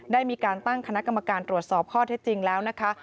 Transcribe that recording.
ได้มีการตั้งคณะกรรมการตรวจสอบข้อเท็จจริงแล้วนะคะ